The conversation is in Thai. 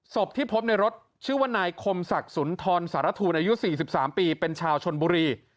ศพที่พบในรถชื่อว่านายคมศักดิ์สุนทรสารทูลอายุ๔๓ปีเป็นชาวชนบุรี